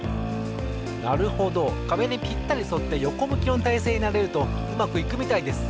なるほどかべにぴったりそってよこむきのたいせいになれるとうまくいくみたいです。